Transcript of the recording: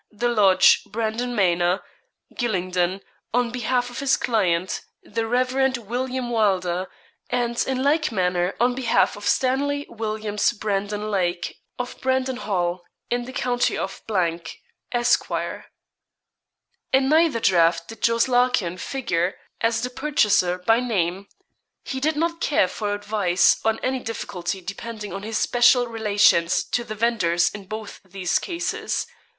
The Lodge, Brandon Manor, Gylingden, on behalf of his client, the Reverend William Wylder; and in like manner on behalf of Stanley Williams Brandon Lake, of Brandon Hall, in the county of , Esq. In neither draft did Jos. Larkin figure as the purchaser by name. He did not care for advice on any difficulty depending on his special relations to the vendors in both these cases.